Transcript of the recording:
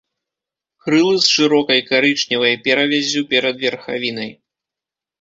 Крылы з шырокай карычневай перавяззю перад верхавінай.